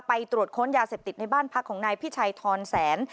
ไปตรวจค้นยาเสพติดในบ้านพักของนายพิชัยทรแสน